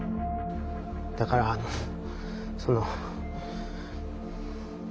だからあのその。